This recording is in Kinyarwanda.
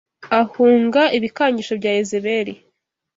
ahunga ibikangisho bya Yezebeli,